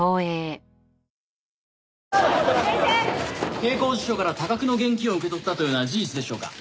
帝光地所から多額の現金を受け取ったというのは事実でしょうか？